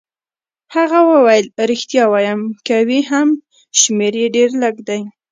هغه وویل: ریښتیا وایم، که وي هم شمېر يې ډېر لږ دی.